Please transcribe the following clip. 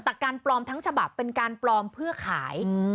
แต่การปลอมทั้งฉบับเป็นการปลอมเพื่อขาย